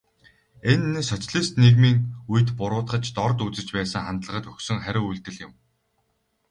Энэ нь социалист нийгмийн үед буруутгаж, дорд үзэж байсан хандлагад өгсөн хариу үйлдэл юм.